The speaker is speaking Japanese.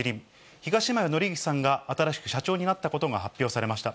東山紀之さんが新しく社長になったことが発表されました。